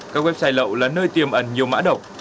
các website lậu là nơi tiềm ẩn nhiều mã độc